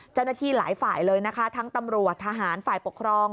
เจ้าหน้าที่หลายฝ่ายเลยนะคะทั้งตำรวจทหารฝ่ายปกครอง